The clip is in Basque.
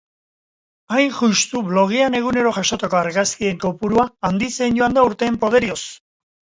Hain justu, blogean egunero jasotako argazkien kopurua handitzen joan da urteen poderioz.